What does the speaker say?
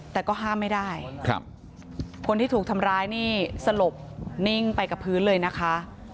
แต่ก็ห้ามไม่ได้คนที่ถูกทำร้ายนี่สลบนิ่งไปกับพื้นเลยนะคะ